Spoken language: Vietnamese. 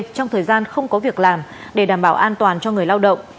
trong thời gian không có việc làm để đảm bảo an toàn cho người lao động